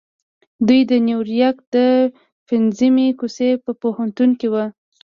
دوی د نيويارک د پنځمې کوڅې په پوهنتون کې وو.